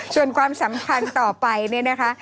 ส่วนความสำคัญต่อไปนี่นะคะ